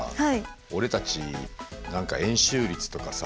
俺たち何か円周率とかさ